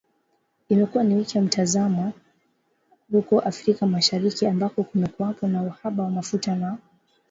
Imekuwa ni wiki ya matatizo huko Afrika Mashariki ambako kumekuwepo na uhaba wa mafuta na